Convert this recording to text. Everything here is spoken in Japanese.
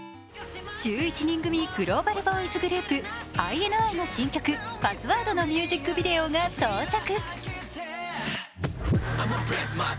１１人組グローバルボーイズグループ、ＩＮＩの新曲、「Ｐａｓｓｗｏｒｄ」のミュージックビデオが到着。